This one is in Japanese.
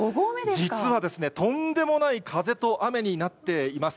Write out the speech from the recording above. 実はですね、とんでもない風と雨になっています。